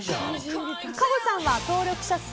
「カホさんは登録者数